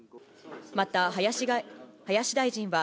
また、林大臣は、